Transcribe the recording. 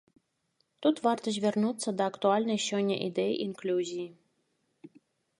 Тут варта звярнуцца да актуальнай сёння ідэі інклюзіі.